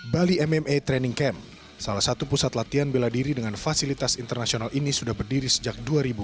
bali mma training camp salah satu pusat latihan bela diri dengan fasilitas internasional ini sudah berdiri sejak dua ribu dua